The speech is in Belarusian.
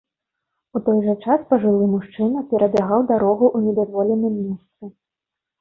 У той жа час пажылы мужчына перабягаў дарогу ў недазволеным месцы.